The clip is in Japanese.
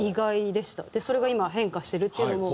でそれが今変化してるっていうのも。